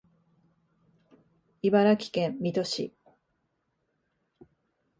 茨城県水戸市